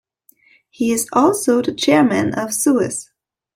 He is also the chairman of Suez.